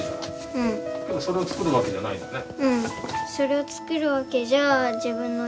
でもそれを作るわけじゃないよね。